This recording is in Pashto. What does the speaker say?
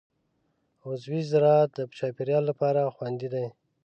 عضوي زراعت د چاپېریال لپاره خوندي دی.